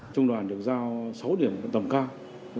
trung đoàn được giao sáu điểm tầm cao